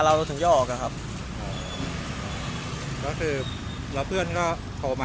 เขาว่าเขาก็จะให้ผม๕๐๐หรือ๖๐๐นี่แหละ